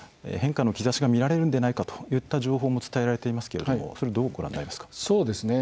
変化の兆しが見られるのではないかという情報も伝えられていますけれどもどうご覧になりますか？